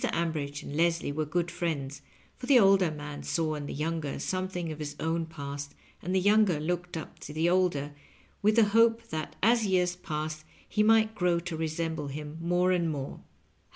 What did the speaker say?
Ambridge and Leslie were good friends, for the older man saw in the younger some thing of his own past, and the younger looked up to the older with the hope that as years passed he might grow to resemble him more and more.